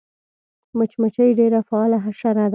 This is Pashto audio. مچمچۍ ډېره فعاله حشره ده